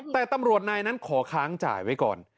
แต่ตำรวจนายนั้นขอค้างจ่ายไว้ก่อน